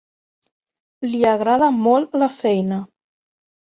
Li agrada molt la feina.